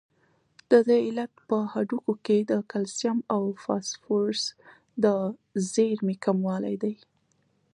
د دې علت په هډوکو کې د کلسیم او فاسفورس د زیرمې کموالی دی.